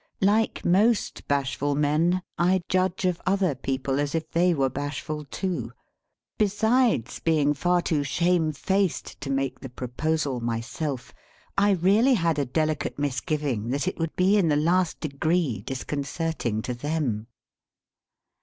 Like most bashful men, I judge of other people as if they were bashful too. Besides being far too shamefaced to make the proposal myself, I really had a delicate misgiving that it would be in the last degree disconcerting to them.